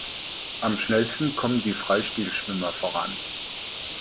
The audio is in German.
Am schnellsten kommen die Freistil-Schwimmer voran.